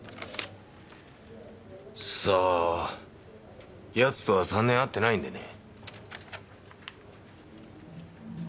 さあ奴とは３年会ってないんでね。